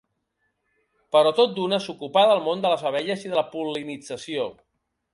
Però tot d’una s’ocupà del món de les abelles i de la pol·linització.